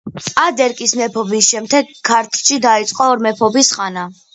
ადერკის მეფობის შემდეგ ქართლში დაიწყო ორმეფობის ხანა.